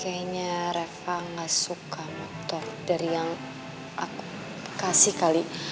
kayaknya reva gak suka motor dari yang aku kasih kali